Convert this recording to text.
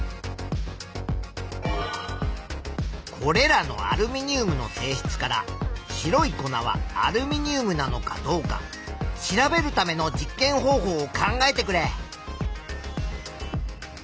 これらのアルミニウムの性質から白い粉はアルミニウムなのかどうか調べるための実験方法を考えてくれ。